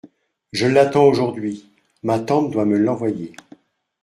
Je l’attends aujourd’hui… ma tante doit me l’envoyer.